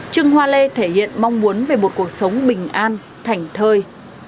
trưng hoa lê thể hiện mong muốn về một cuộc sống bình an thảnh thơi